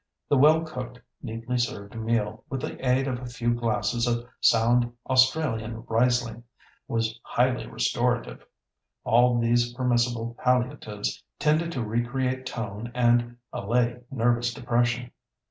The well cooked, neatly served meal, with the aid of a few glasses of sound Australian Reisling, was highly restorative. All these permissible palliatives tended to recreate tone and allay nervous depression.